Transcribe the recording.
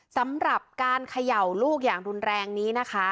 สำหรับการเขย่าลูกอย่างรุนแรงนี้นะคะ